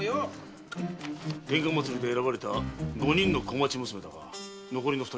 天下祭で選ばれた五人の小町娘だが残りの二人は？